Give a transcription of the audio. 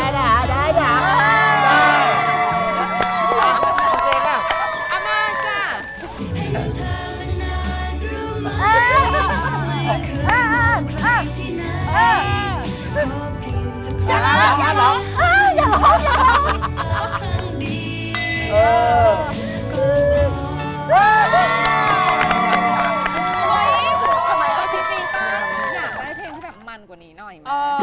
อยากได้เพลงที่มันกว่านี้หน่อย